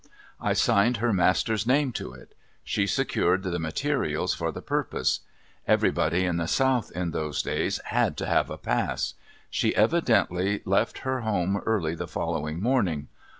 I signed her master's name to it. She secured the materials for the purpose. Everybody in the South in those days had to have a pass. She evidently left her home early the following morning.